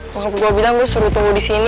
bokap gue bilang gue suruh tunggu di sini